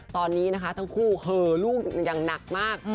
ตอนนี้นะคะทั้งคู่เหอลูกอย่างหนักมาก